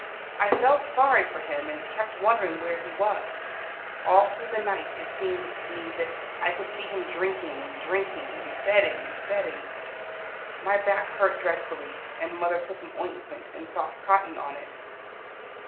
I felt sorry for him, and kept wondering where he was. All through the night it seemed to me that I could see him drinking and drinking, and betting and betting. My back hurt dreadfully, and mother put some ointment and soft cotton on it.